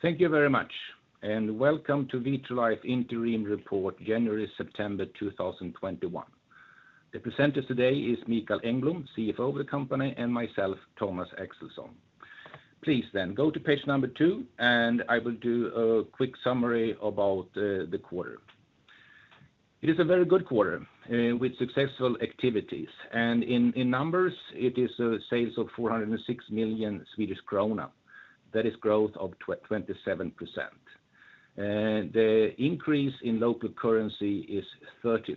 Thank you very much, and welcome to Vitrolife Interim Report January-September 2021. The presenters today is Mikael Engblom, CFO of the company, and myself, Thomas Axelsson. Please go to page number 2, and I will do a quick summary about the quarter. It is a very good quarter with successful activities, and in numbers, it is sales of 406 million Swedish krona. That is growth of 27%. The increase in local currency is 30%.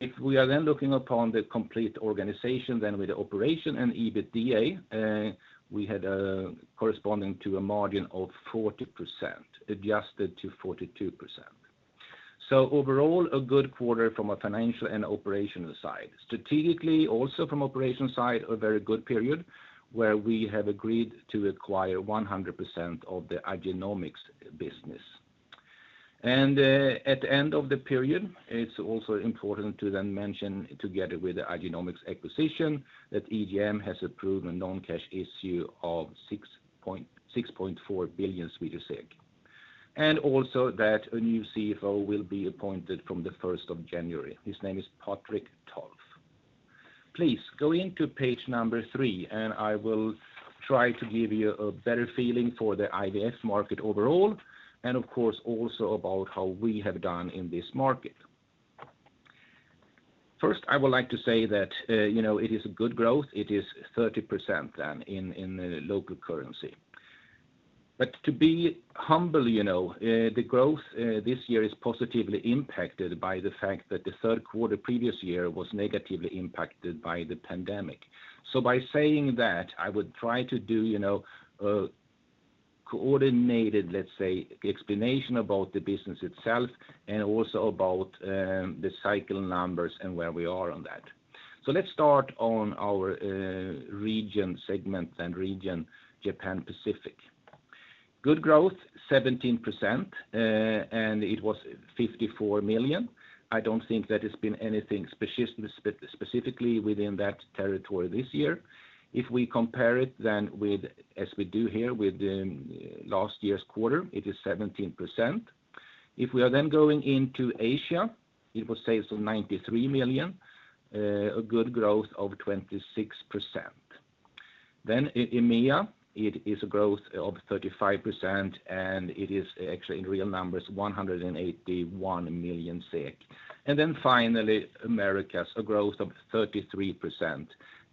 If we are looking upon the complete organization then with the operation and EBITDA, we had corresponding to a margin of 40%, adjusted to 42%. Overall, a good quarter from a financial and operational side. Strategically, also from operation side, a very good period, where we have agreed to acquire 100% of the Igenomix business. At the end of the period, it's also important to then mention, together with the Igenomix acquisition, that EGM has approved a non-cash issue of 6.4 billion. Also that a new CFO will be appointed from January 1. His name is Patrik Tolf. Please go to page 3, and I will try to give you a better feeling for the IVF market overall, and of course, also about how we have done in this market. First, I would like to say that it is a good growth. It is 30% then in the local currency. To be humble, you know, the growth this year is positively impacted by the fact that the third quarter previous year was negatively impacted by the pandemic. By saying that, I would try to do, you know, a coordinated, let's say, explanation about the business itself and also about the cycle numbers and where we are on that. Let's start on our region segment, then region Japan/Pacific. Good growth, 17%, and it was 54 million. I don't think that it's been anything specifically within that territory this year. If we compare it then with, as we do here, with last year's quarter, it is 17%. If we are then going into Asia, it was sales of 93 million, a good growth of 26%. In EMEA, it is a growth of 35%, and it is actually in real numbers 181 million. Finally, Americas, a growth of 33%,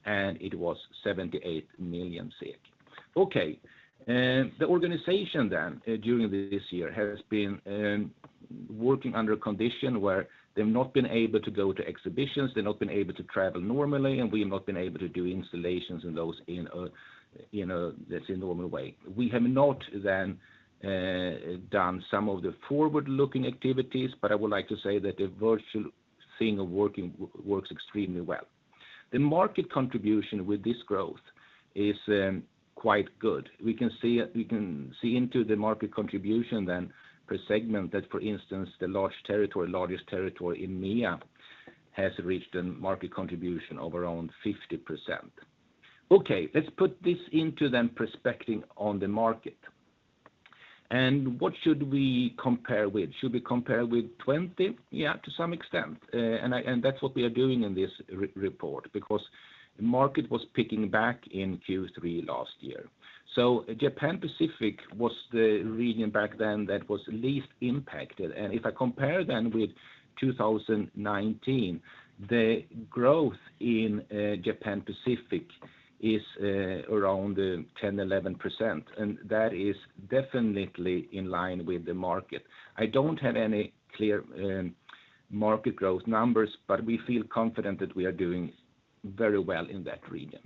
and it was 78 million. Okay. The organization during this year has been working under a condition where they've not been able to go to exhibitions. They've not been able to travel normally, and we have not been able to do installations and those in a, let's say, normal way. We have not done some of the forward-looking activities, but I would like to say that the virtual thing of working works extremely well. The market contribution with this growth is quite good. We can see into the market contribution then per segment that, for instance, the largest territory, EMEA, has reached a market contribution of around 50%. Okay, let's put this into perspective on the market. What should we compare with? Should we compare with 2020? Yeah, to some extent. That's what we are doing in this report, because the market was picking up in Q3 last year. Japan/Pacific was the region back then that was least impacted. If I compare with 2019, the growth in Japan/Pacific is around 10-11%, and that is definitely in line with the market. I don't have any clear market growth numbers, but we feel confident that we are doing very well in that region.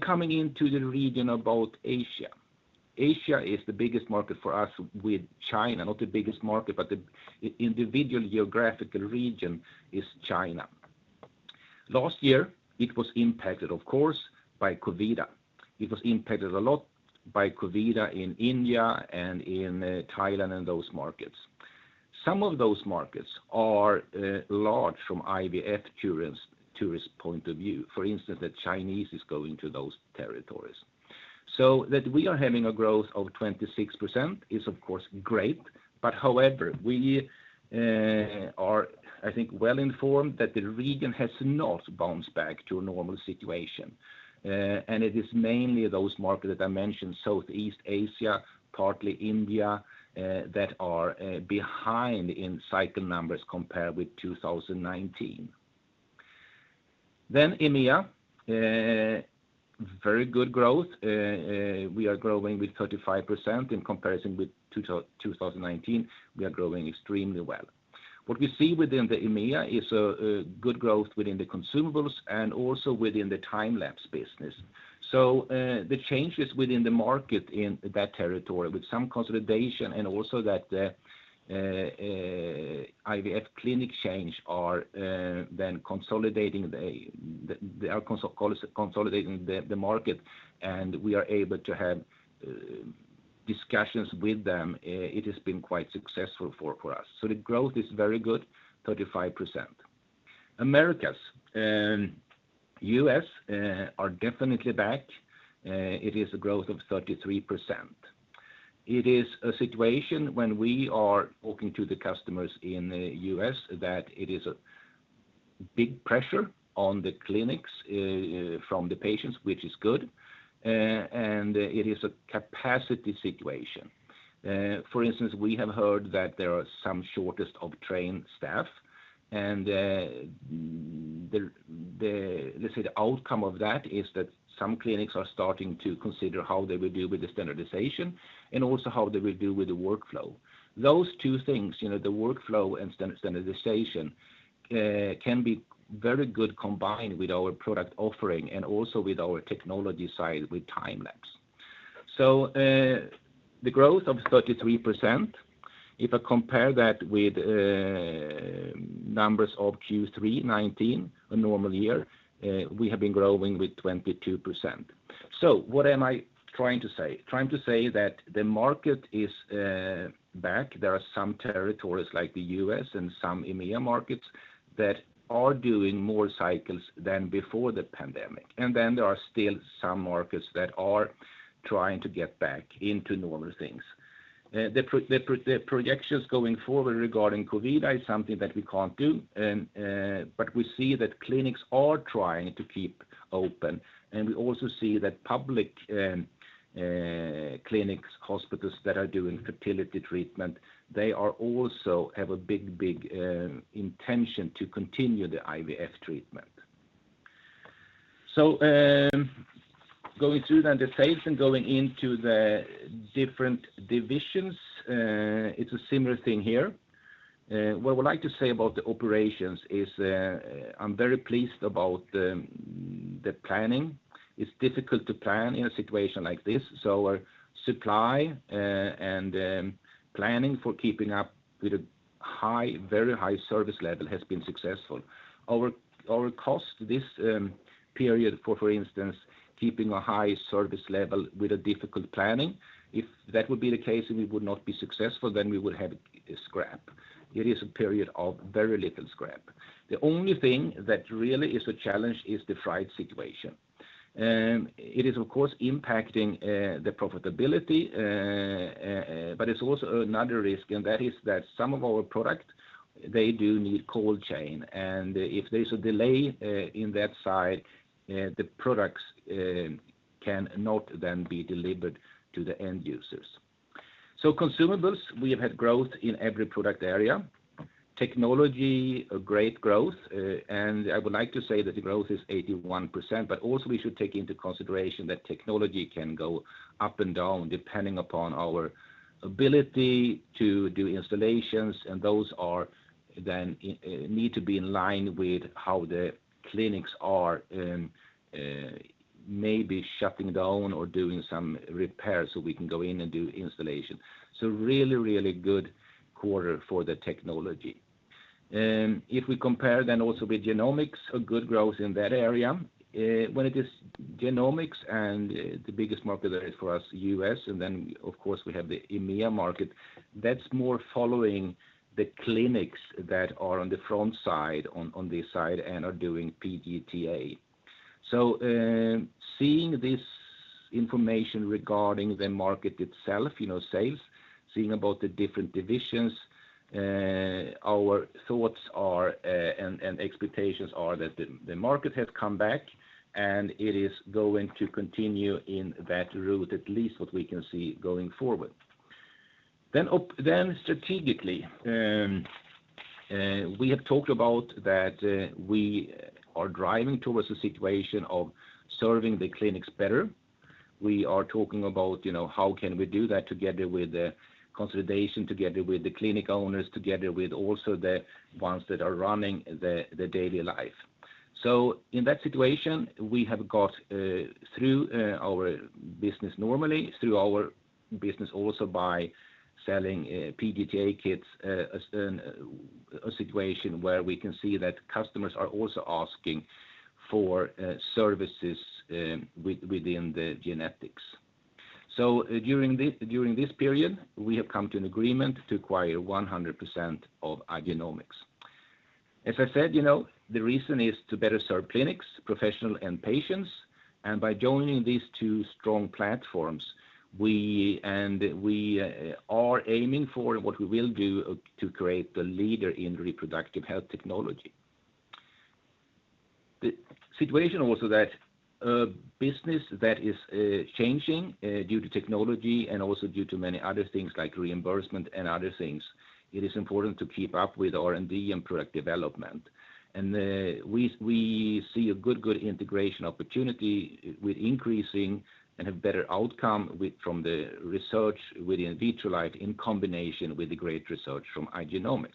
Coming into the region about Asia. Asia is the biggest market for us with China, not the biggest market, but the individual geographical region is China. Last year, it was impacted, of course, by COVID. It was impacted a lot by COVID in India and in Thailand and those markets. Some of those markets are large from IVF tourist point of view. For instance, the Chinese is going to those territories. So that we are having a growth of 26% is of course great, but however, we are, I think, well informed that the region has not bounced back to a normal situation. It is mainly those markets that I mentioned, Southeast Asia, partly India, that are behind in cycle numbers compared with 2019. EMEA very good growth. We are growing with 35% in comparison with 2019. We are growing extremely well. What we see within the EMEA is a good growth within the consumables and also within the time-lapse business. The changes within the market in that territory with some consolidation and also that IVF clinic change are then consolidating the market, and we are able to have discussions with them. It has been quite successful for us. The growth is very good, 35%. Americas and U.S. are definitely back. It is a growth of 33%. It is a situation when we are talking to the customers in the U.S. that it is a big pressure on the clinics from the patients, which is good, and it is a capacity situation. For instance, we have heard that there are some shortage of trained staff and the outcome of that is that some clinics are starting to consider how they will deal with the standardization and also how they will deal with the workflow. Those two things, you know, the workflow and standardization, can be very good combined with our product offering and also with our technology side with time-lapse. The growth of 33%, if I compare that with numbers of Q3 2019, a normal year, we have been growing with 22%. What am I trying to say? Trying to say that the market is back. There are some territories like the U.S. and some EMEA markets that are doing more cycles than before the pandemic. There are still some markets that are trying to get back into normal things. The projections going forward regarding COVID is something that we can't do. We see that clinics are trying to keep open, and we also see that public clinics, hospitals that are doing fertility treatment, they are also have a big intention to continue the IVF treatment. Going through then the sales and going into the different divisions, it's a similar thing here. What I would like to say about the operations is, I'm very pleased about the planning. It's difficult to plan in a situation like this, so our supply and planning for keeping up with a high, very high service level has been successful. Our cost this period for instance keeping a high service level with a difficult planning, if that would be the case and we would not be successful, then we would have a scrap. It is a period of very little scrap. The only thing that really is a challenge is the freight situation, and it is of course impacting the profitability. But it's also another risk, and that is that some of our product, they do need cold chain, and if there's a delay in that side, the products can not then be delivered to the end users. Consumables, we have had growth in every product area. Technology, a great growth, and I would like to say that the growth is 81%. We should take into consideration that technology can go up and down depending upon our ability to do installations, and those then need to be in line with how the clinics are maybe shutting down or doing some repairs so we can go in and do installation. Really good quarter for the technology. If we compare also with genomics, a good growth in that area. When it is genomics and the biggest market there is for us, U.S., and then of course we have the EMEA market, that's more following the clinics that are on the front side, on this side and are doing PGT-A. Seeing this information regarding the market itself, you know, sales, seeing about the different divisions, our thoughts and expectations are that the market has come back, and it is going to continue in that route, at least what we can see going forward. Strategically, we have talked about that, we are driving towards a situation of serving the clinics better. We are talking about, you know, how can we do that together with the consolidation, together with the clinic owners, together with also the ones that are running the daily life. In that situation, we have got through our business normally, through our business also by selling PGT-A kits, as in a situation where we can see that customers are also asking for services within the genetics. During this period, we have come to an agreement to acquire 100% of Igenomix. As I said, you know, the reason is to better serve clinics, professionals and patients. By joining these two strong platforms, we are aiming for what we will do to create the leader in reproductive health technology. The situation also that business that is changing due to technology and also due to many other things like reimbursement and other things, it is important to keep up with R&D and product development. We see a good integration opportunity with Igenomix and have better outcome from the research with Vitrolife in combination with the great research from Igenomix.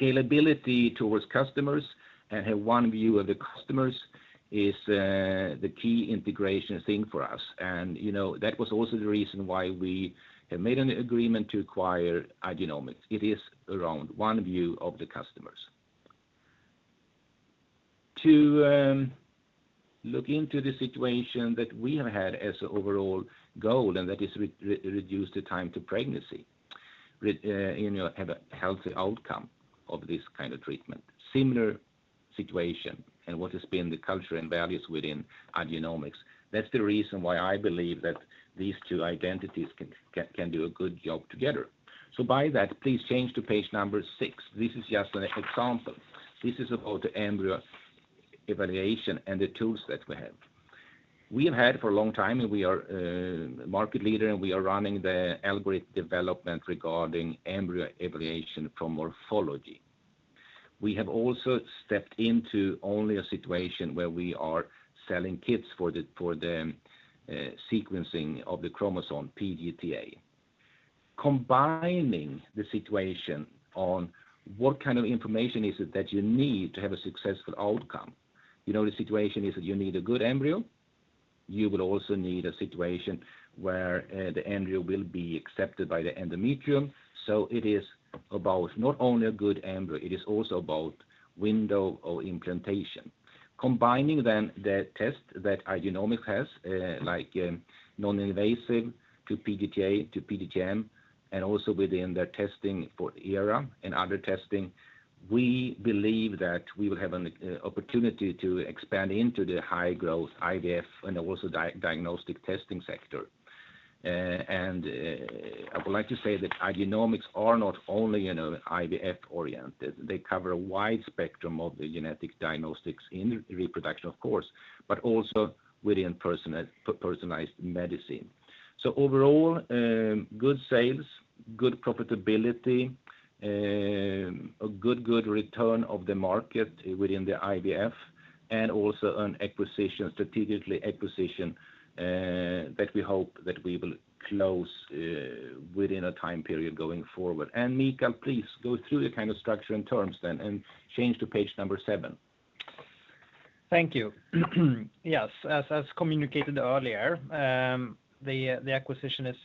Scalability towards customers and have one view of the customers is the key integration thing for us. You know, that was also the reason why we have made an agreement to acquire Igenomix. It is around the overview of the customers to look into the situation that we have had as an overall goal, and that is to reduce the time to pregnancy, you know, to have a healthy outcome of this kind of treatment. Similar to the situation and what has been the culture and values within Igenomix. That's the reason why I believe that these two entities can do a good job together. By that, please change to page 6. This is just an example. This is about the embryo evaluation and the tools that we have had for a long time, and we are market leader, and we are running the algorithm development regarding embryo evaluation from morphology. We have also stepped into only a situation where we are selling kits for the sequencing of the chromosome PGT-A. Combining the situation on what kind of information is it that you need to have a successful outcome. You know, the situation is that you need a good embryo. You will also need a situation where the embryo will be accepted by the endometrium. It is about not only a good embryo, it is also about window of implantation. Combining then the test that Igenomix has, like, non-invasive to PGT-A, to PGT-M, and also within the testing for ERA and other testing, we believe that we will have an opportunity to expand into the high-growth IVF and also diagnostic testing sector. I would like to say that Igenomix are not only, you know, IVF-oriented. They cover a wide spectrum of the genetic diagnostics in reproduction, of course, but also within personalized medicine. Overall, good sales, good profitability, a good return of the market within the IVF, and also a strategic acquisition that we hope that we will close within a time period going forward. Mikael, please go through the kind of structure and terms then, and change to page number 7. Thank you. Yes. As communicated earlier, the acquisition is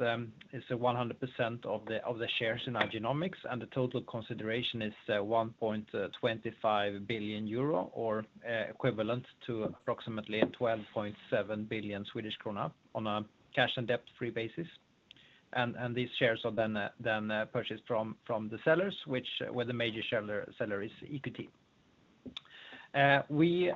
100% of the shares in Igenomix, and the total consideration is 1.25 billion euro or equivalent to approximately 12.7 billion on a cash and debt-free basis. These shares are then purchased from the sellers, where the major seller is EQT. We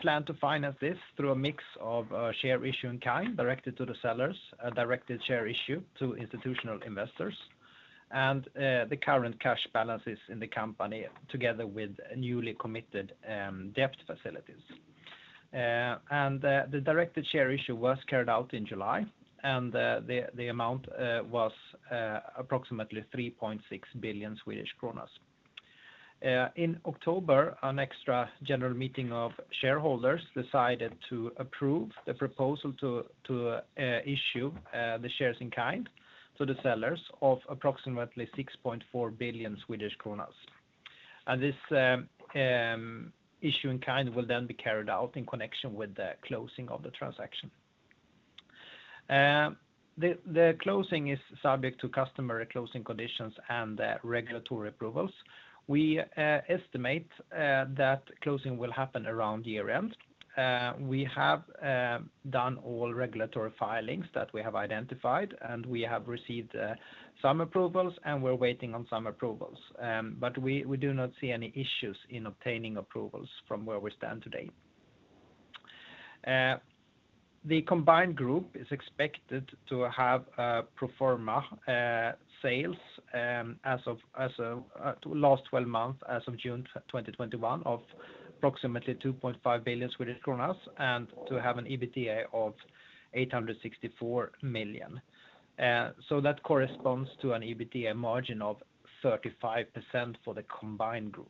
plan to finance this through a mix of share issue in kind directed to the sellers, a directed share issue to institutional investors, and the current cash balances in the company, together with newly committed debt facilities. The directed share issue was carried out in July, and the amount was approximately 3.6 billion Swedish kronor. In October, an extra general meeting of shareholders decided to approve the proposal to issue the shares in kind to the sellers of approximately 6.4 billion Swedish kronor. This issue in kind will then be carried out in connection with the closing of the transaction. The closing is subject to customary closing conditions and regulatory approvals. We estimate that closing will happen around year-end. We have done all regulatory filings that we have identified, and we have received some approvals, and we're waiting on some approvals. We do not see any issues in obtaining approvals from where we stand today. The combined group is expected to have a pro forma sales as of last 12 months, as of June 2021 of approximately 2.5 billion and to have an EBITDA of 864 million. That corresponds to an EBITDA margin of 35% for the combined group.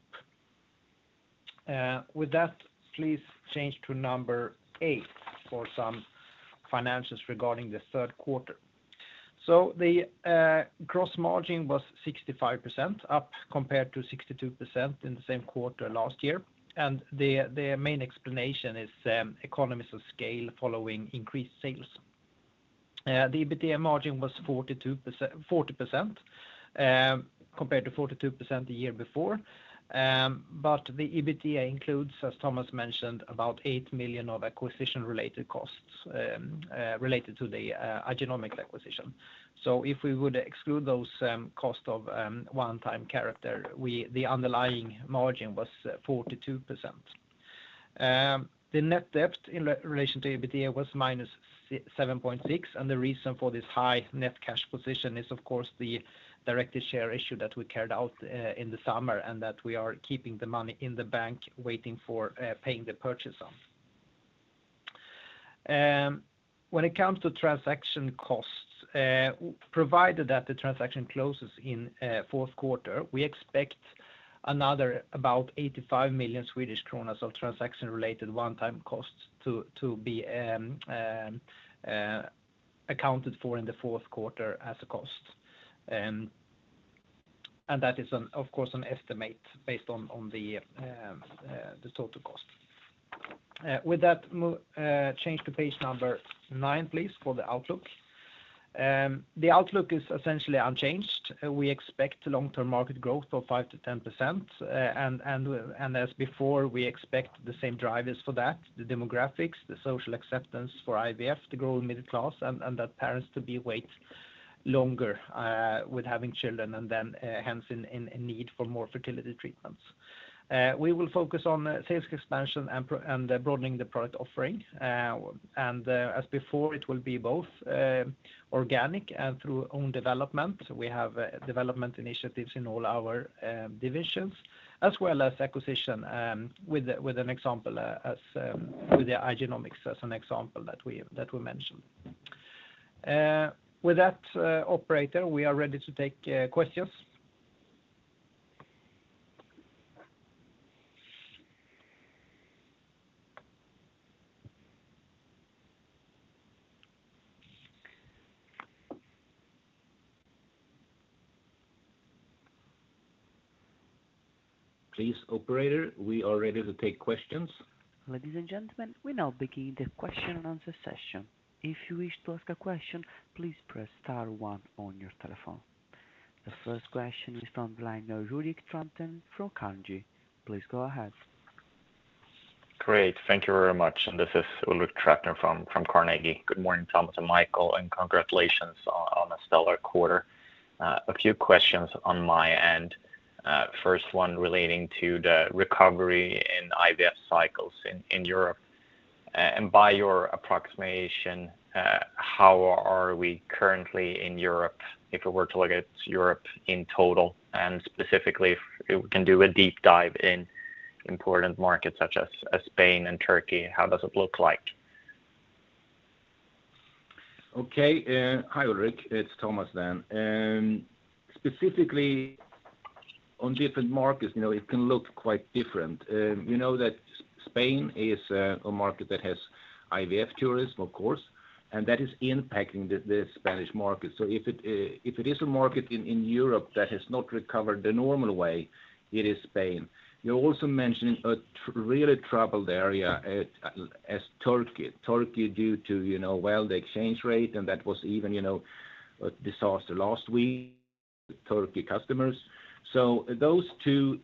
With that, please change to number 8 for some financials regarding the third quarter. The gross margin was 65%, up compared to 62% in the same quarter last year. The main explanation is economies of scale following increased sales. The EBITDA margin was 40%, compared to 42% the year before. But the EBITDA includes, as Thomas mentioned, about 8 million of acquisition-related costs related to the Igenomix acquisition. If we would exclude those costs of one-time nature, the underlying margin was 42%. The net debt in relation to EBITDA was minus 7.6, and the reason for this high net cash position is, of course, the directed share issue that we carried out in the summer, and that we are keeping the money in the bank waiting for paying for the purchase. When it comes to transaction costs, provided that the transaction closes in fourth quarter, we expect another about 85 million Swedish kronor of transaction-related one-time costs to be accounted for in the fourth quarter as a cost. And that is, of course, an estimate based on the total cost. With that, change to page number 9, please, for the outlook. The outlook is essentially unchanged. We expect long-term market growth of 5%-10%. As before, we expect the same drivers for that, the demographics, the social acceptance for IVF to grow in middle class and that parents-to-be wait longer with having children and then hence in need for more fertility treatments. We will focus on sales expansion and product broadening the product offering. As before, it will be both organic and through own development. We have development initiatives in all our divisions as well as acquisition with an example with the Igenomix as an example that we mentioned. With that, operator, we are ready to take questions. Please, operator, we are ready to take questions. Ladies and gentlemen, we now begin the question and answer session. If you wish to ask a question, please press star one on your telephone. The first question is from the line Ulrik Trattner from Carnegie. Please go ahead. Great. Thank you very much. This is Ulrik Trattner from Carnegie. Good morning, Thomas and Mikael, and congratulations on a stellar quarter. A few questions on my end. First one relating to the recovery in IVF cycles in Europe. By your approximation, how are we currently in Europe, if we were to look at Europe in total, and specifically if we can do a deep dive in important markets such as Spain and Turkey, how does it look like? Okay. Hi, Ulrik, it's Thomas then. Specifically on different markets, you know, it can look quite different. We know that Spain is a market that has IVF tourism, of course, and that is impacting the Spanish market. If it is a market in Europe that has not recovered the normal way, it is Spain. You're also mentioning a really troubled area as Turkey. Turkey due to, you know, well, the exchange rate, and that was even, you know, a disaster last week, Turkey customers. Those two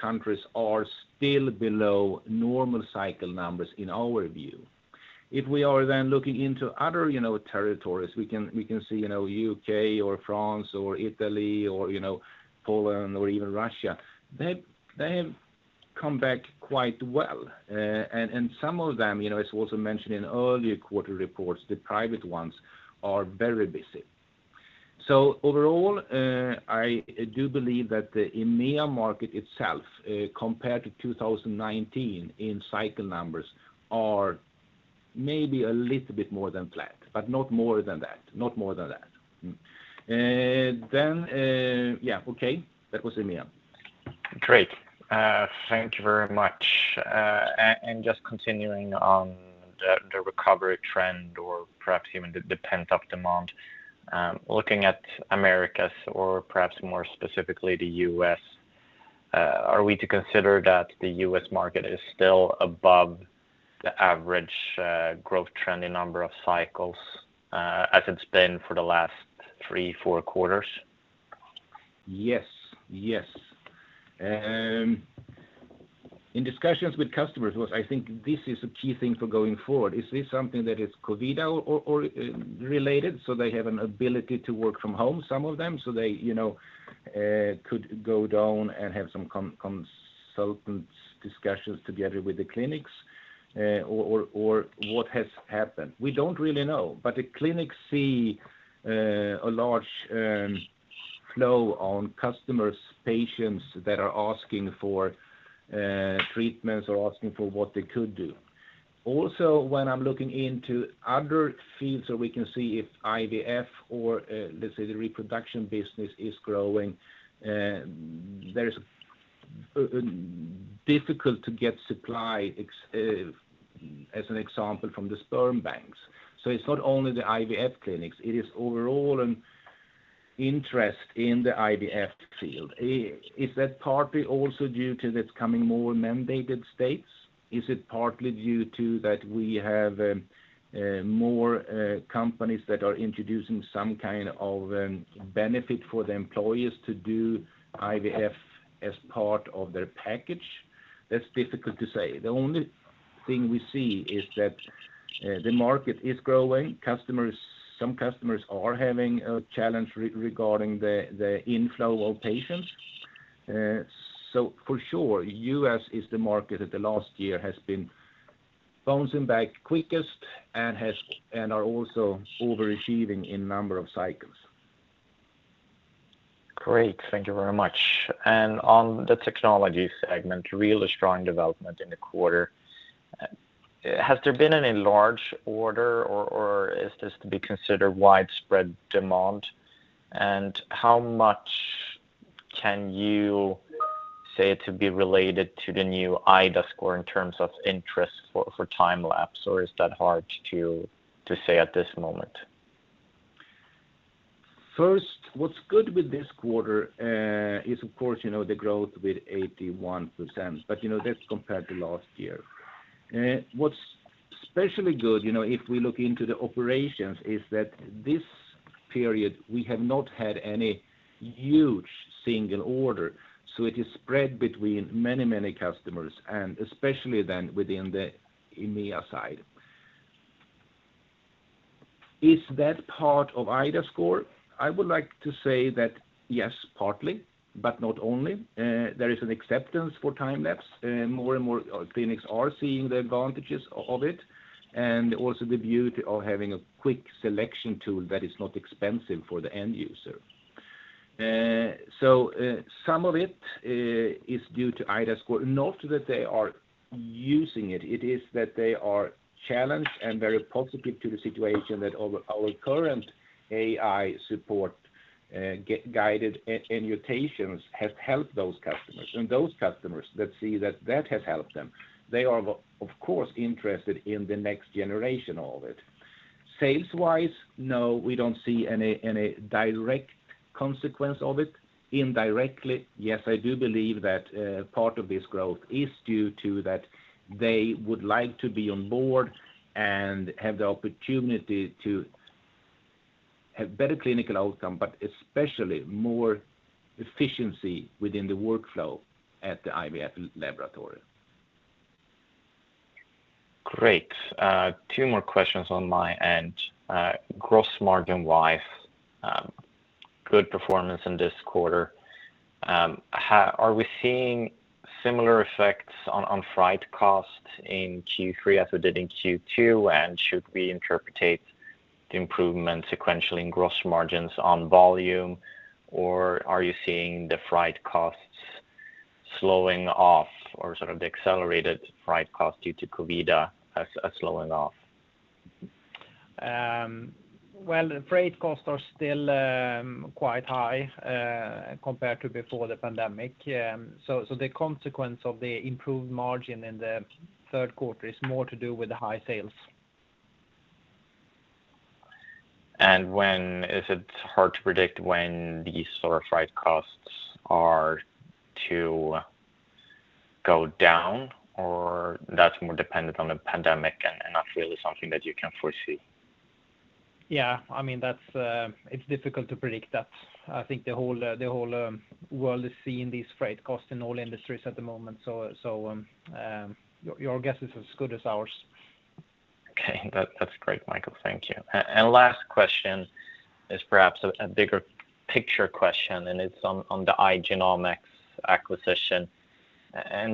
countries are still below normal cycle numbers in our view. If we are then looking into other, you know, territories, we can see, you know, U.K. or France or Italy or, you know, Poland or even Russia. They have come back quite well. some of them, you know, it's also mentioned in earlier quarter reports, the private ones are very busy. Overall, I do believe that the EMEA market itself, compared to 2019 in cycle numbers are maybe a little bit more than flat, but not more than that. Then, yeah. Okay. That was EMEA. Great. Thank you very much. Just continuing on the recovery trend or perhaps even the pent-up demand, looking at Americas or perhaps more specifically the U.S., are we to consider that the U.S. market is still above the average growth trend in number of cycles, as it's been for the last three, four quarters? Yes. In discussions with customers, what I think is this is a key thing for going forward. Is this something that is COVID or related? They have an ability to work from home, some of them. They could go down and have some consultants discussions together with the clinics, or what has happened. We don't really know. The clinics see a large flow of customers, patients that are asking for treatments or asking for what they could do. Also, when I'm looking into other fields where we can see if IVF or, let's say the reproduction business is growing, it's difficult to get supply as an example from the sperm banks. It's not only the IVF clinics, it is overall an interest in the IVF field. Is that partly also due to this coming more mandated states? Is it partly due to that we have more companies that are introducing some kind of benefit for the employees to do IVF as part of their package? That's difficult to say. The only thing we see is that the market is growing. Customers—some customers are having a challenge regarding the inflow of patients. So for sure, U.S. is the market that the last year has been bouncing back quickest and are also overachieving in number of cycles. Great. Thank you very much. On the technology segment, really strong development in the quarter. Has there been any large order or is this to be considered widespread demand? How much can you say to be related to the new iDAScore in terms of interest for time-lapse, or is that hard to say at this moment? First, what's good with this quarter is of course, you know, the growth with 81%. You know, that's compared to last year. What's especially good, you know, if we look into the operations, is that this period we have not had any huge single order, so it is spread between many, many customers, and especially then within the EMEA side. Is that part of iDAScore? I would like to say that yes, partly, but not only. There is an acceptance for time-lapse and more and more clinics are seeing the advantages of it, and also the beauty of having a quick selection tool that is not expensive for the end user. Some of it is due to iDAScore. Not that they are using it is that they are challenged and very positive to the situation that our current AI support guided animations has helped those customers. Those customers that see that has helped them, they are of course interested in the next generation of it. Sales-wise, no, we don't see any direct consequence of it. Indirectly, yes, I do believe that part of this growth is due to that they would like to be on board and have the opportunity to have better clinical outcome, but especially more efficiency within the workflow at the IVF laboratory. Great. Two more questions on my end. Gross margin-wise, good performance in this quarter. Are we seeing similar effects on freight costs in Q3 as we did in Q2? And should we interpret the improvement sequentially in gross margins on volume? Or are you seeing the freight costs slowing off or sort of the accelerated freight costs due to COVID slowing off? Well, the freight costs are still quite high compared to before the pandemic. The consequence of the improved margin in the third quarter is more to do with the high sales. Is it hard to predict when these sort of freight costs are to go down, or that's more dependent on the pandemic and not really something that you can foresee? Yeah. I mean, that's, it's difficult to predict that. I think the whole world is seeing these freight costs in all industries at the moment. Your guess is as good as ours. Okay. That's great, Mikael. Thank you. Last question is perhaps a bigger picture question, and it's on the Igenomix acquisition.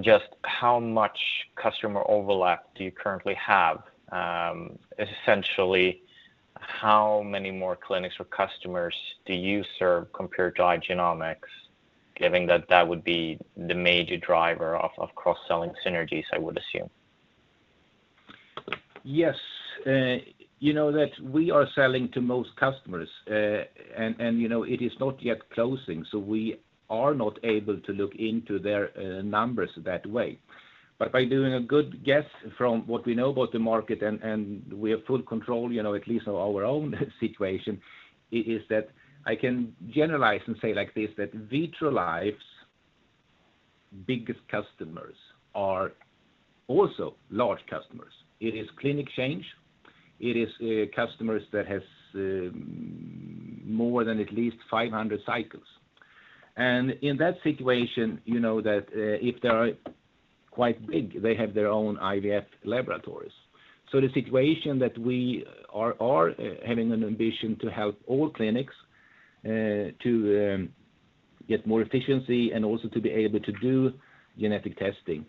Just how much customer overlap do you currently have? Essentially, how many more clinics or customers do you serve compared to Igenomix, given that would be the major driver of cross-selling synergies, I would assume. Yes. You know that we are selling to most customers, and you know, it is not yet closing, so we are not able to look into their numbers that way. By doing a good guess from what we know about the market and we have full control, you know, at least of our own situation, is that I can generalize and say like this, that Vitrolife's biggest customers are also large customers. It is clinic chains, it is customers that has more than at least 500 cycles. In that situation, you know that if they are quite big, they have their own IVF laboratories. The situation that we are having an ambition to help all clinics to get more efficiency and also to be able to do genetic testing.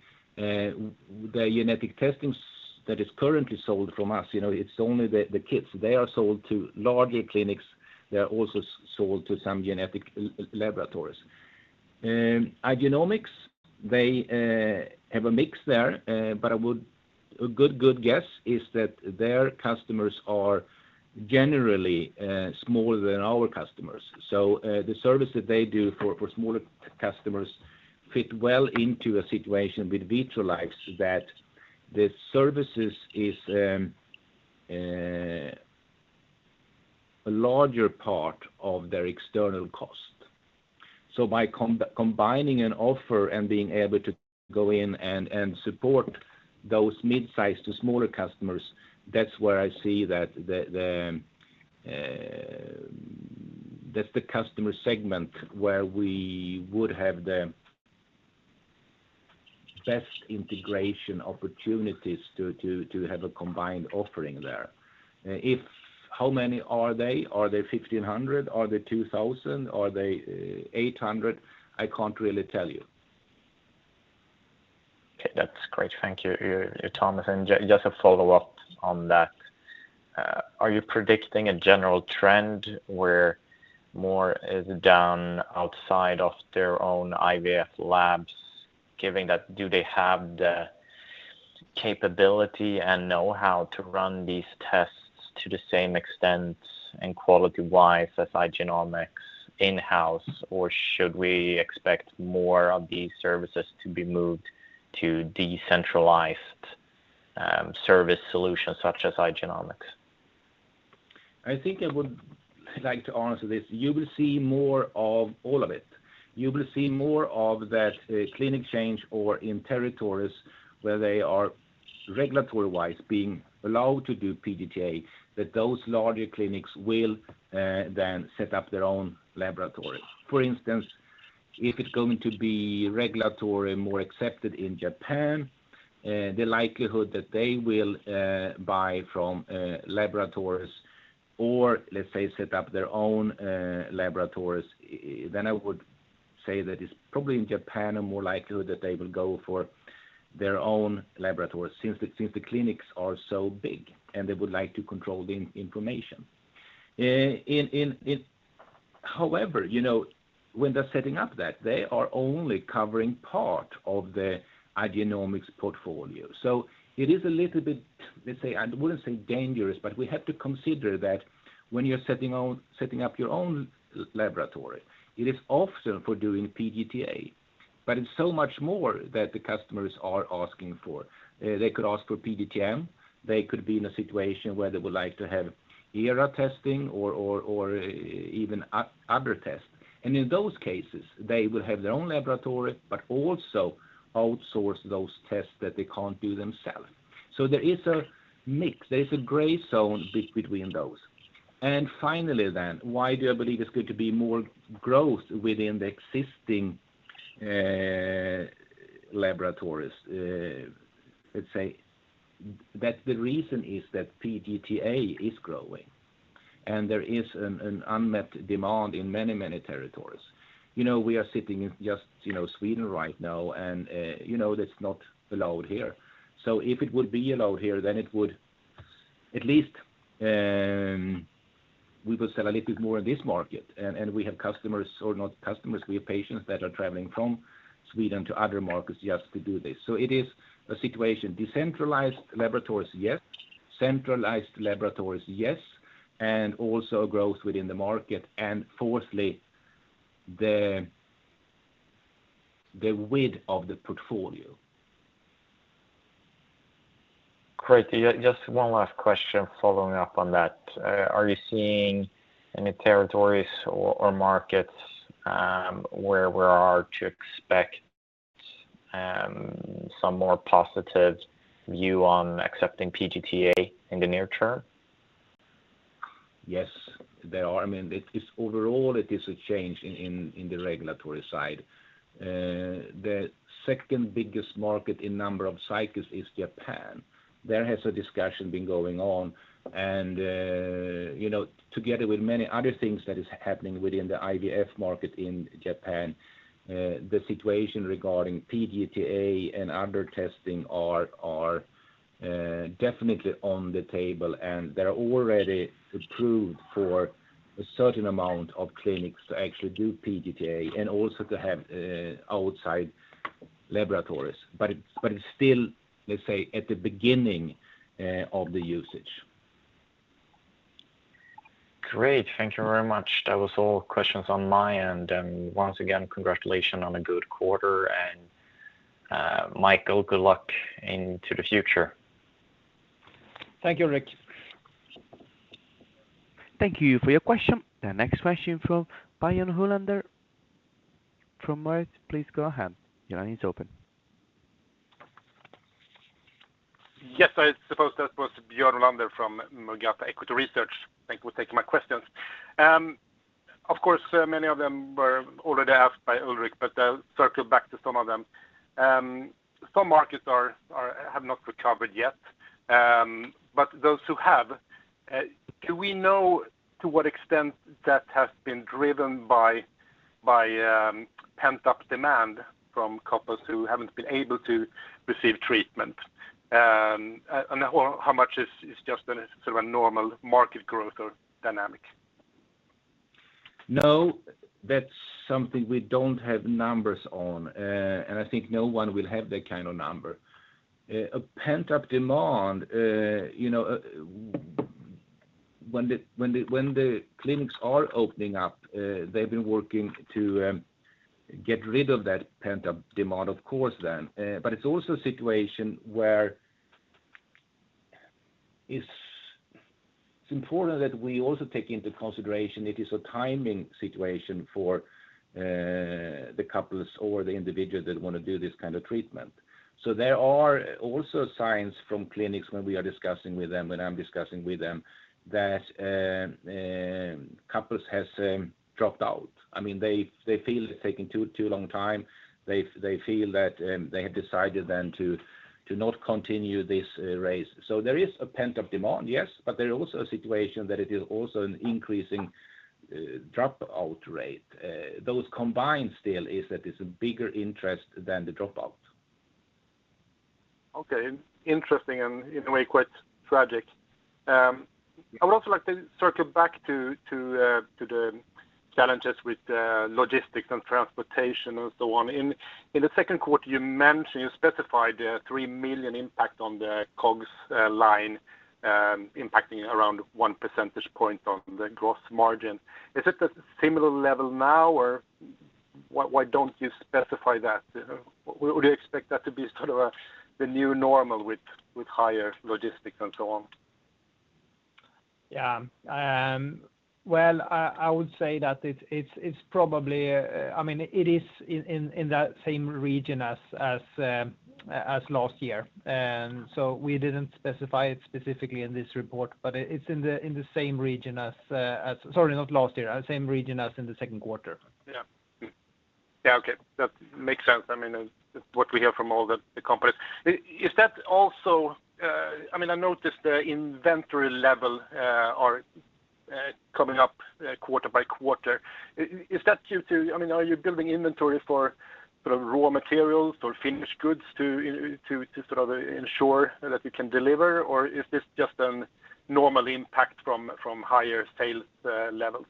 Where genetic testing that is currently sold from us, you know, it's only the kits. They are sold to larger clinics. They're also sold to some genetic laboratories. Igenomix, they have a mix there, but I would. A good guess is that their customers are generally smaller than our customers. So the service that they do for smaller customers fit well into a situation with Vitrolife's that the services is a larger part of their external cost. So by combining an offer and being able to go in and support those mid-size to smaller customers, that's where I see that the. That's the customer segment where we would have the best integration opportunities to have a combined offering there. How many are they? Are they 1,500? Are they 2,000? Are they 800? I can't really tell you. Okay. That's great. Thank you, Thomas. Just a follow-up on that. Are you predicting a general trend where more is done outside of their own IVF labs, given that do they have the capability and know-how to run these tests to the same extent and quality-wise as Igenomix in-house? Or should we expect more of these services to be moved to decentralized service solutions such as Igenomix? I think I would like to answer this. You will see more of all of it. You will see more of that, clinic change or in territories where they are regulatory-wise being allowed to do PGT-A, that those larger clinics will then set up their own laboratory. For instance, if it's going to be regulatory more accepted in Japan, the likelihood that they will buy from laboratories or let's say set up their own laboratories, then I would say that it's probably in Japan are more likelihood that they will go for their own laboratory since the clinics are so big and they would like to control the information. However, you know, when they're setting up that, they are only covering part of the Igenomix portfolio. It is a little bit, let's say, I wouldn't say dangerous, but we have to consider that when you're setting up your own laboratory, it is often for doing PGT-A, but it's so much more that the customers are asking for. They could ask for PGT-M. They could be in a situation where they would like to have ERA testing or even other tests. In those cases, they will have their own laboratory, but also outsource those tests that they can't do themselves. There is a mix. There is a gray zone between those. Finally, why do I believe there's going to be more growth within the existing laboratories? Let's say that the reason is that PGT-A is growing and there is an unmet demand in many, many territories. You know, we are sitting in just, you know, Sweden right now and, you know, that's not allowed here. If it would be allowed here, then it would at least, we would sell a little bit more in this market. We have customers or not customers, we have patients that are traveling from Sweden to other markets just to do this. It is a situation, decentralized laboratories, yes, centralized laboratories, yes, and also growth within the market, and fourthly, the width of the portfolio. Great. Yeah, just one last question following up on that. Are you seeing any territories or markets where we are to expect some more positive view on accepting PGT-A in the near term? Yes, there are. I mean, it is overall a change in the regulatory side. The second biggest market in number of cycles is Japan. There has a discussion been going on and you know, together with many other things that is happening within the IVF market in Japan, the situation regarding PGT-A and other testing are definitely on the table and they're already approved for a certain amount of clinics to actually do PGT-A and also to have outside laboratories. It's still, let's say, at the beginning of the usage. Great. Thank you very much. That was all questions on my end. Once again, congratulations on a good quarter and, Mikael, good luck into the future. Thank you, Ulrik. Thank you for your question. The next question from Björn Olander from Murgata. Please go ahead. Your line is open. Yes, I suppose that was Björn Olander from Murgata Equity Research. Thank you for taking my questions. Of course, many of them were already asked by Ulrik Trattner, but I'll circle back to some of them. Some markets have not recovered yet, but those who have, do we know to what extent that has been driven by pent-up demand from couples who haven't been able to receive treatment? Or how much is just a sort of normal market growth or dynamic? No, that's something we don't have numbers on. I think no one will have that kind of number. A pent-up demand, you know, when the clinics are opening up, they've been working to get rid of that pent-up demand of course then. It's also a situation where it's important that we also take into consideration it is a timing situation for the couples or the individuals that want to do this kind of treatment. There are also signs from clinics when we are discussing with them, when I'm discussing with them that couples has dropped out. I mean, they feel it's taking too long time. They feel that they have decided then to not continue this race. There is a pent-up demand, yes, but there is also a situation that it is also an increasing dropout rate. Those combined still is that it's a bigger interest than the dropout. Okay. Interesting and in a way, quite tragic. I would also like to circle back to the challenges with logistics and transportation and so on. In the second quarter, you mentioned, you specified the 3 million impact on the COGS line, impacting around 1 percentage point on the gross margin. Is it a similar level now, or why don't you specify that? Would you expect that to be sort of the new normal with higher logistics and so on? Yeah. Well, I would say that it's probably, I mean, it is in that same region as last year. We didn't specify it specifically in this report, but it's in the same region as in the second quarter. Sorry, not last year. Okay. That makes sense. I mean, what we hear from all the companies. Is that also? I mean, I noticed the inventory level are coming up quarter by quarter. Is that due to? I mean, are you building inventory for sort of raw materials or finished goods to sort of ensure that you can deliver? Or is this just a normal impact from higher sales levels?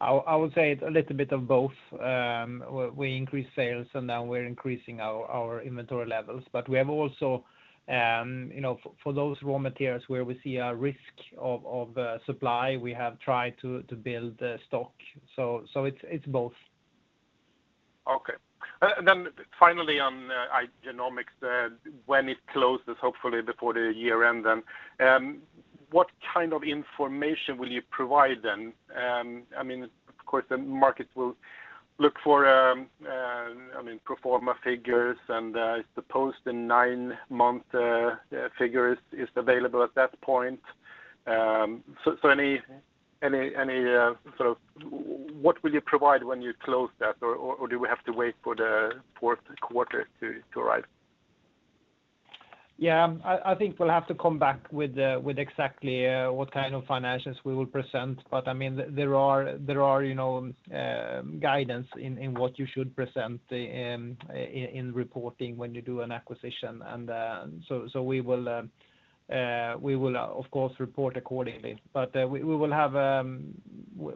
I would say it's a little bit of both. We increase sales, and now we're increasing our inventory levels. We have also, you know, for those raw materials where we see a risk of supply, we have tried to build the stock. It's both. Okay. Finally on Igenomix, when it closes, hopefully before the year-end, what kind of information will you provide then? I mean, of course, the market will look for, I mean, pro forma figures, and I suppose the nine-month figure is available at that point. What will you provide when you close that, or do we have to wait for the fourth quarter to arrive? Yeah. I think we'll have to come back with exactly what kind of financials we will present. I mean, there are, you know, guidance in reporting when you do an acquisition. We will of course report accordingly.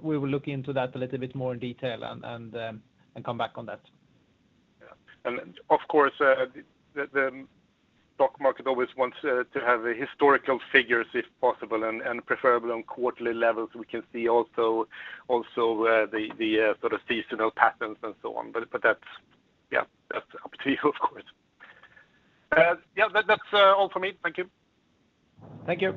We will look into that a little bit more in detail and come back on that. Yeah. Of course, the stock market always wants to have historical figures if possible and preferably on quarterly levels. We can see also the sort of seasonal patterns and so on. That's yeah that's up to you, of course. Yeah, that's all from me. Thank you. Thank you.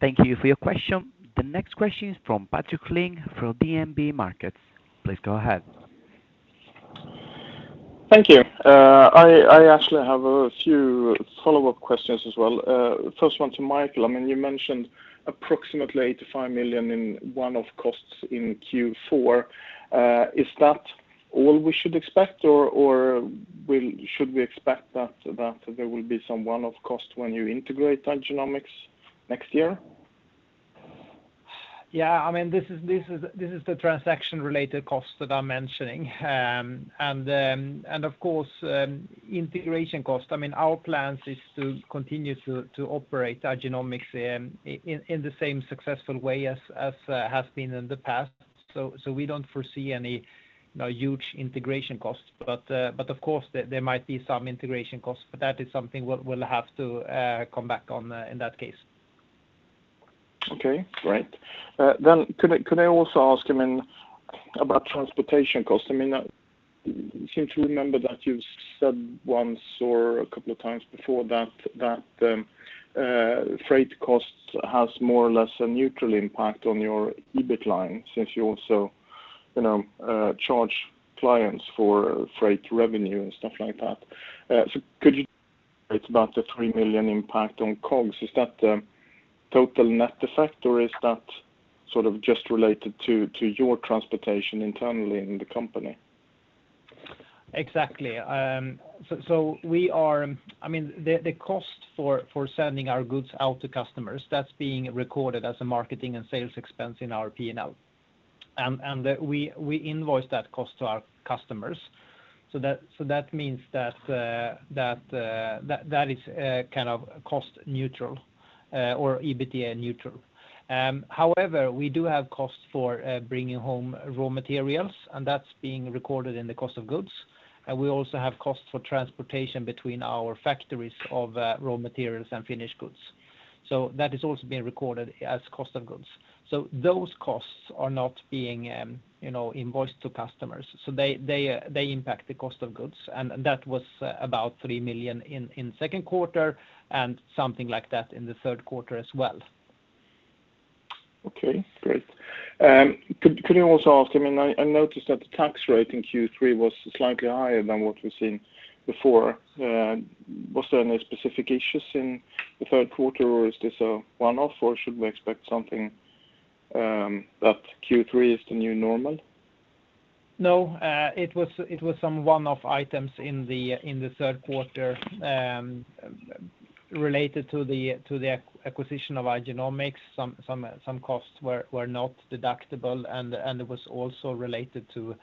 Thank you for your question. The next question is from Patrik Ling from DNB Markets. Please go ahead. Thank you. I actually have a few follow-up questions as well. First one to Mikael. I mean, you mentioned approximately 85 million in one-off costs in Q4. Is that all we should expect, or should we expect that there will be some one-off cost when you integrate Igenomix next year? Yeah. I mean, this is the transaction-related costs that I'm mentioning. Of course, integration cost. I mean, our plans is to continue to operate Igenomix in the same successful way as has been in the past. We don't foresee any, you know, huge integration costs. Of course there might be some integration costs, but that is something we'll have to come back on in that case. Okay, great. Could I also ask, I mean, about transportation cost? I mean, I seem to remember that you said once or a couple of times before that freight costs has more or less a neutral impact on your EBIT line, since you also, you know, charge clients for freight revenue and stuff like that. It's about the 3 million impact on COGS. Is that total net effect, or is that sort of just related to your transportation internally in the company? Exactly. The cost for sending our goods out to customers, that's being recorded as a marketing and sales expense in our P&L. We invoice that cost to our customers. That means that that is kind of cost neutral or EBITDA neutral. However, we do have costs for bringing home raw materials, and that's being recorded in the cost of goods. We also have costs for transportation between our factories of raw materials and finished goods. That is also being recorded as cost of goods. Those costs are not being, you know, invoiced to customers. They impact the cost of goods, and that was about 3 million in second quarter, and something like that in the third quarter as well. Okay, great. Could you also ask? I mean, I noticed that the tax rate in Q3 was slightly higher than what we've seen before. Was there any specific issues in the third quarter, or is this a one-off, or should we expect something that Q3 is the new normal? No. It was some one-off items in the third quarter related to the acquisition of Igenomix. Some costs were not deductible, and it was also related to the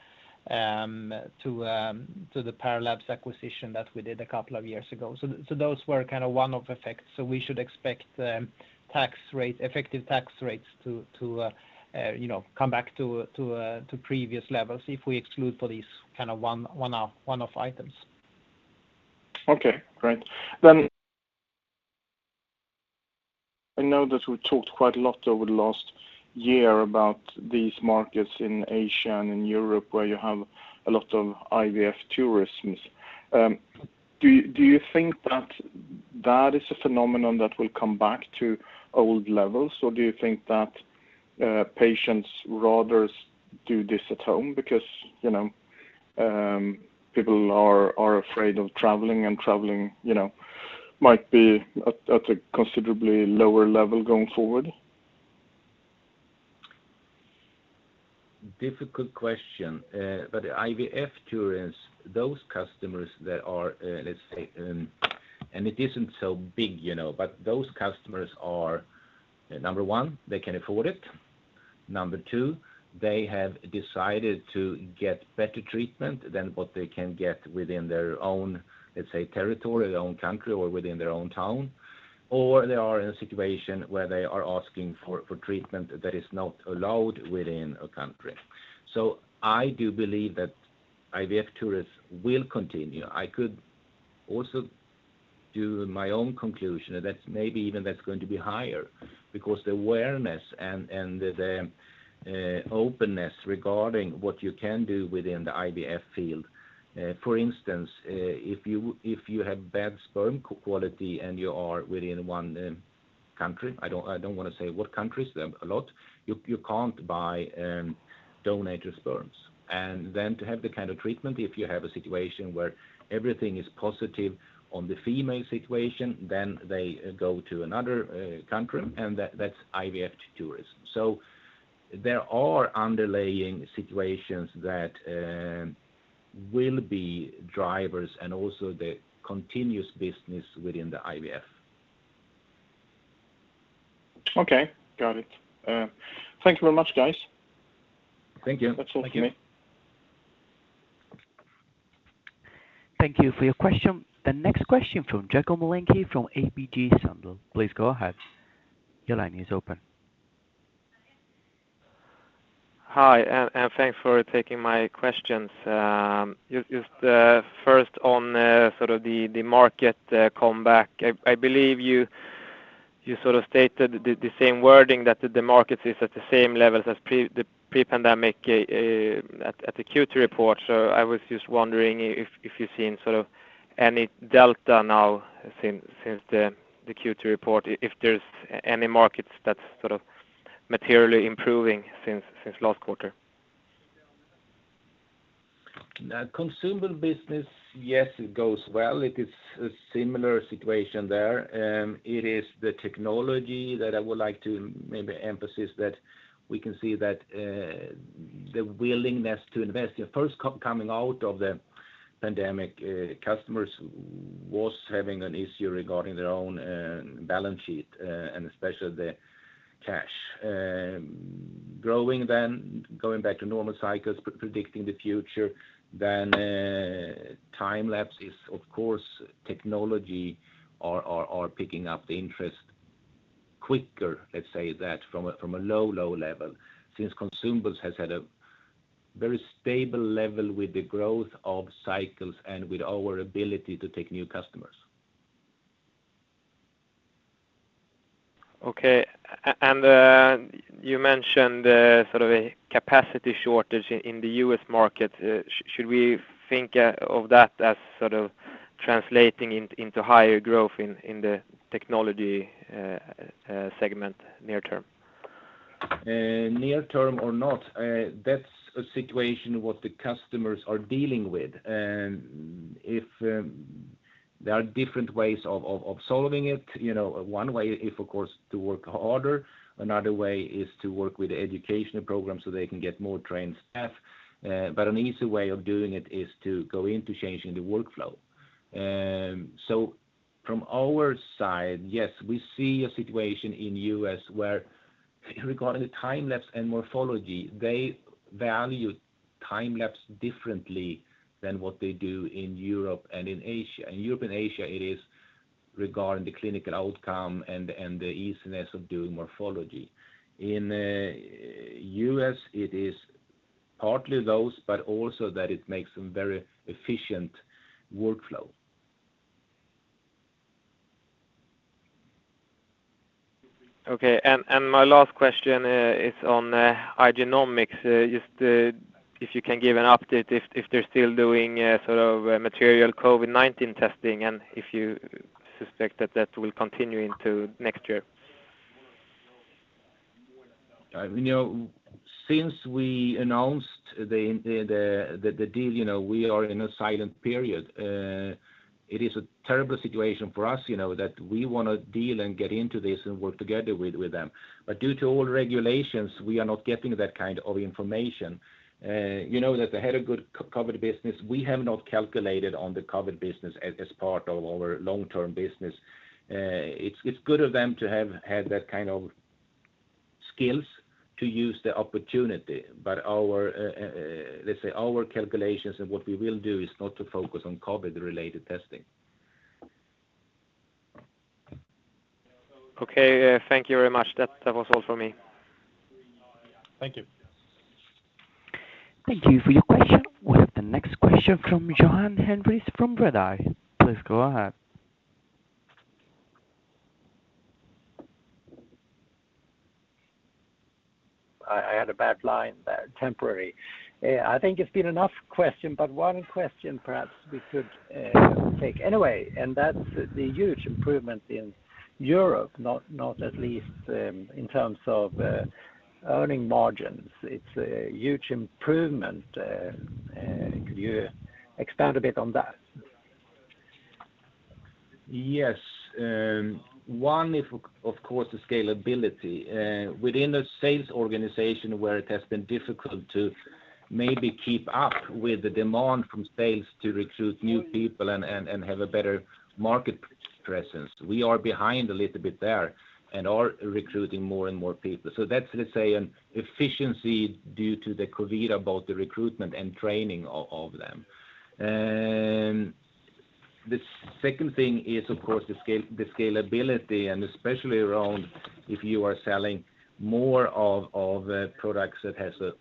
Igenomix acquisition that we did a couple of years ago. Those were kind of one-off effects. We should expect effective tax rates to come back to previous levels if we exclude for these kind of one-off items. Okay, great. I know that we talked quite a lot over the last year about these markets in Asia and in Europe, where you have a lot of IVF tourism. Do you think that is a phenomenon that will come back to old levels, or do you think that patients rather do this at home because, you know, people are afraid of traveling, and traveling, you know, might be at a considerably lower level going forward? Difficult question. IVF tourists, those customers that are, let's say, and it isn't so big, you know, but those customers are, number one, they can afford it. Number two, they have decided to get better treatment than what they can get within their own, let's say, territory, their own country, or within their own town. They are in a situation where they are asking for treatment that is not allowed within a country. I do believe that IVF tourists will continue. I could also do my own conclusion, and that's maybe even higher because the awareness and the openness regarding what you can do within the IVF field. For instance, if you have bad sperm quality and you are within one country, I don't wanna say what countries, there are a lot, you can't buy donor sperm. Then to have the kind of treatment, if you have a situation where everything is positive on the female situation, they go to another country, and that's IVF tourism. There are underlying situations that will be drivers and also the continuous business within the IVF. Okay. Got it. Thank you very much, guys. Thank you. That's all for me. Thank you for your question. The next question from Jacob Muilinki from ABG Sundal. Please go ahead. Your line is open. Hi, thanks for taking my questions. Just first on sort of the market comeback. I believe you sort of stated the same wording that the markets is at the same level as pre-pandemic at the Q2 report. I was just wondering if you've seen sort of any delta now since the Q2 report, if there's any markets that's sort of materially improving since last quarter. The consumable business, yes, it goes well. It is a similar situation there. It is the technology that I would like to maybe emphasize that we can see that, the willingness to invest. First coming out of the pandemic, customers was having an issue regarding their own, balance sheet, and especially the cash. Growing then, going back to normal cycles, predicting the future, then, time-lapse is of course technology are picking up the interest quicker, let's say that, from a low level, since consumables has had a very stable level with the growth of cycles and with our ability to take new customers. Okay. You mentioned sort of a capacity shortage in the U.S. market. Should we think of that as sort of translating into higher growth in the technology segment near term? In the near term or not, that's a situation what the customers are dealing with. If there are different ways of solving it. You know, one way is, of course, to work harder. Another way is to work with the educational program so they can get more trained staff. An easy way of doing it is to go into changing the workflow. From our side, yes, we see a situation in U.S. where regarding time-lapse and morphology, they value time-lapse differently than what they do in Europe and in Asia. In Europe and Asia, it is regarding the clinical outcome and the easiness of doing morphology. In U.S., it is partly those, but also that it makes a very efficient workflow. Okay. My last question is on Igenomix. Just if you can give an update if they're still doing sort of material COVID-19 testing and if you suspect that that will continue into next year. You know, since we announced the deal, you know, we are in a silent period. It is a terrible situation for us, you know, that we wanna deal and get into this and work together with them. Due to all regulations, we are not getting that kind of information. You know that they had a good COVID business. We have not calculated on the COVID business as part of our long-term business. It's good of them to have had that kind of skills to use the opportunity. Let's say our calculations and what we will do is not to focus on COVID-related testing. Okay. Thank you very much. That was all for me. Thank you. Thank you for your question. We'll have the next question from Johan Unnérus from Redeye. Please go ahead. I had a bad line there temporarily. I think it's been enough questions, but one question perhaps we could take anyway, and that's the huge improvement in Europe, not least in terms of earnings margins. It's a huge improvement. Could you expand a bit on that? Yes. One is of course the scalability within the sales organization where it has been difficult to maybe keep up with the demand from sales to recruit new people and have a better market presence. We are behind a little bit there and are recruiting more and more people. That's let's say an efficiency due to the COVID about the recruitment and training of them. The second thing is of course the scale, the scalability, and especially around if you are selling more of products that has a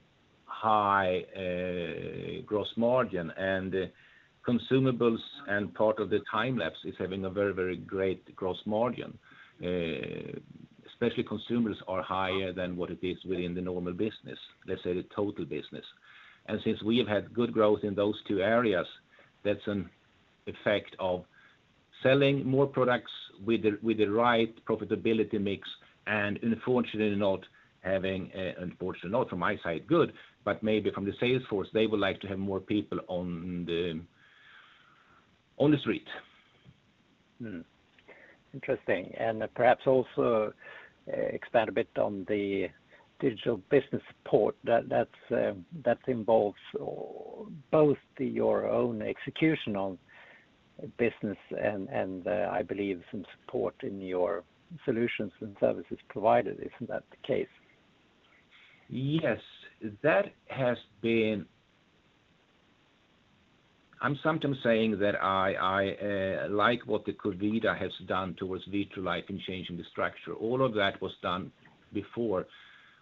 high gross margin and consumables, and part of the time-lapse is having a very, very great gross margin. Especially consumables are higher than what it is within the normal business, let's say the total business. Since we have had good growth in those two areas, that's an effect of selling more products with the right profitability mix and unfortunately not from my side good, but maybe from the sales force, they would like to have more people on the street. Interesting. Perhaps also expand a bit on the digital business support that involves or both your own executional business and I believe some support in your solutions and services provided. Isn't that the case? Yes. That has been. I'm sometimes saying that I like what the COVID has done towards vitalizing and changing the structure. All of that was done before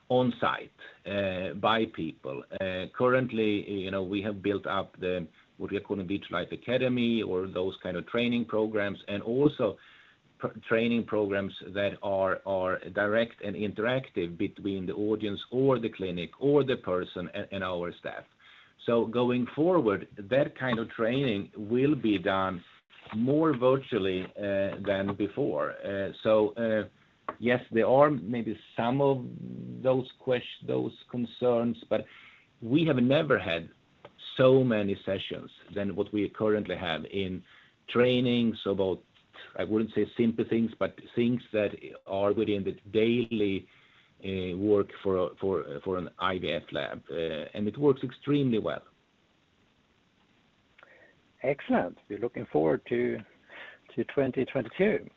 on site by people. Currently, you know, we have built up the what we are calling Vitrolife Academy or those kind of training programs and also pre-training programs that are direct and interactive between the audience or the clinic or the person and our staff. Going forward, that kind of training will be done more virtually than before. Yes, there are maybe some of those concerns, but we have never had so many sessions than what we currently have in trainings about. I wouldn't say simple things, but things that are within the daily work for an IVF lab. It works extremely well. Excellent. We're looking forward to 2022.